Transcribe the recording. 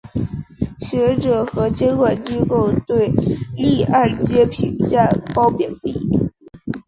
学者和监管机构对逆按揭评价褒贬不一。